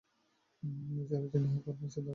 এছাড়াও তিনি high performance দলে ডাক পান।